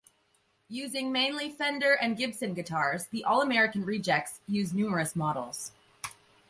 Using mainly Fender and Gibson guitars, the All-American Rejects use numerous models.